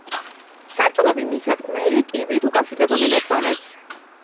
სართულები მისადგმელი კიბით უკავშირდებოდნენ ერთმანეთს.